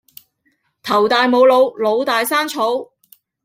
頭大冇腦，腦大生草